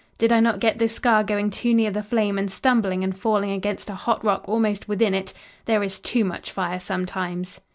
Did I not get this scar going too near the flame and stumbling and falling against a hot rock almost within it? There is too much fire sometimes!"